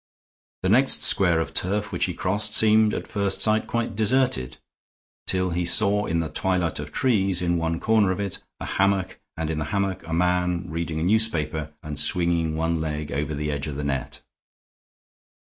The next square of turf which he crossed seemed at first sight quite deserted, till he saw in the twilight of trees in one corner of it a hammock and in the hammock a man, reading a newspaper and swinging one leg over the edge of the net.